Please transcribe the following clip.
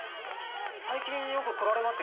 最近よく来られますよ。